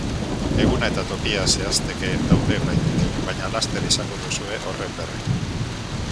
Eguna eta tokia zehazteke daude oraindik, baina laster izango duzue horren berri.